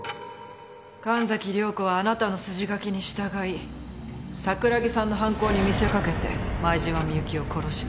神崎涼子はあなたの筋書きに従い桜木さんの犯行に見せかけて前島美雪を殺した。